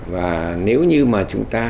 và nếu như mà chúng ta